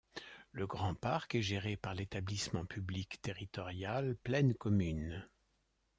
Le Grand Parc est géré par l'établissement public territorial Plaine Commune.